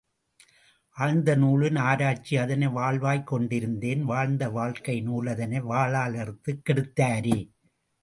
ஆழ்ந்த நூலின் ஆராய்ச்சி அதனை வாழ்வாய்க் கொண்டிருந்தேன் வாழ்ந்த வாழ்க்கை நூலதனை வாளால் அறுத்துக் கெடுத்தாரே!